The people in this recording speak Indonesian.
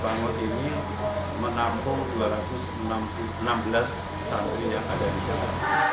bangun ini menampung dua ratus enam belas santri yang ada di sana